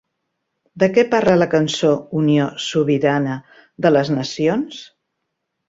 De què parla la cançó Unió Sobirana de les Nacions?